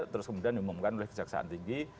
terus kemudian diumumkan oleh kejaksaan tinggi